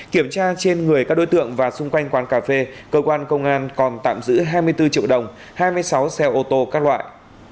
kiểm tra trên người các đối tượng và xung quanh quán cà phê cơ quan công an còn tạm giữ hai mươi bốn triệu đồng hai mươi sáu xe ô tô các loại